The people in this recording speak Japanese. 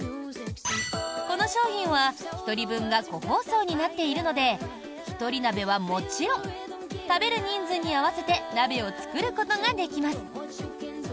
この商品は１人分が個包装になっているのでひとり鍋はもちろん食べる人数に合わせて鍋を作ることができます。